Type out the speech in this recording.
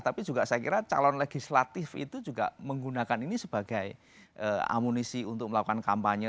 tapi juga saya kira calon legislatif itu juga menggunakan ini sebagai amunisi untuk melakukan kampanye